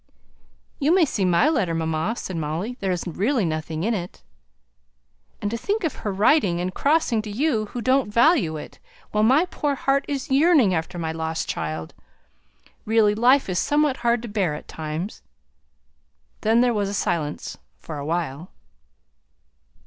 "You may see my letter, mamma," said Molly, "there is really nothing in it." "And to think of her writing, and crossing to you who don't value it, while my poor heart is yearning after my lost child! Really, life is somewhat hard to bear at times." Then there was silence for a while.